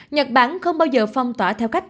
nhật bản không bao giờ phong tỏa theo cách